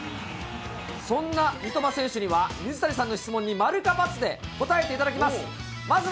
そんな三笘選手には、水谷さんの質問に〇か×で答えていただきます。